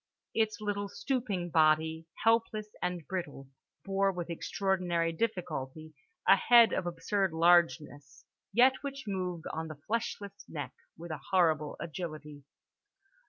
Its little stooping body, helpless and brittle, bore with extraordinary difficulty a head of absurd largeness, yet which moved on the fleshless neck with a horrible agility.